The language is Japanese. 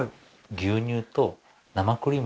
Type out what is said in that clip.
牛乳と生クリーム？